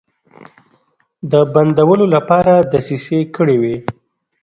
د بندولو لپاره دسیسې کړې وې.